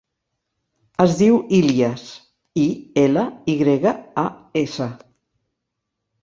Es diu Ilyas: i, ela, i grega, a, essa.